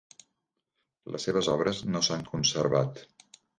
Les seves obres no s'han conservat.